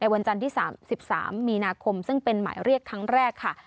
วันจันทร์ที่๓๓มีนาคมซึ่งเป็นหมายเรียกครั้งแรกค่ะ